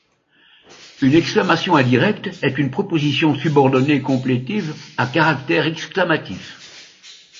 Une exclamation indirecte est une proposition subordonnée complétive à caractère exclamatif.